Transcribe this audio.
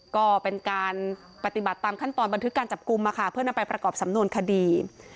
ก็เป็นการปฏิบัติตามขั้นตอนบันทึกการจับกลุ่มเพื่อนำไปประกอบสำนวนคดี